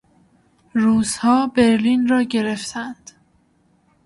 روسها برلن را گرفتند.